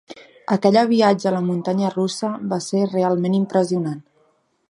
Aquella viatge a la muntanya russa va ser realment impressionant.